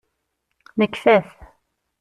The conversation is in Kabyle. Nekfa-t.